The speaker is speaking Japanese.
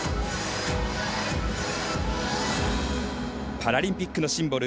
パラリンピックのシンボル